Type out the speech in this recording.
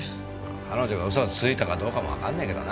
彼女が嘘をついたかどうかもわかんねえけどな。